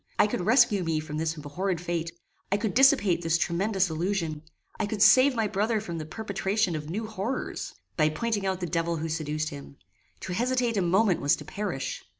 I could rescue me from this abhorred fate; I could dissipate this tremendous illusion; I could save my brother from the perpetration of new horrors, by pointing out the devil who seduced him; to hesitate a moment was to perish.